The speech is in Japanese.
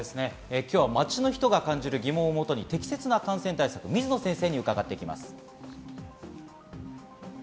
街の人が感じる疑問をもとに適切な感染対策を水野先生に伺います。